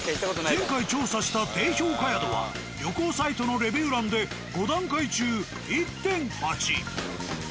前回調査した低評価宿は旅行サイトのレビュー欄でははははっ。